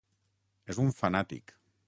És un fanàtic.